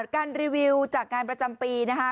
การรีวิวจากงานประจำปีนะครับ